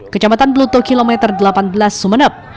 kecamatan bluto kilometer delapan belas sumeneb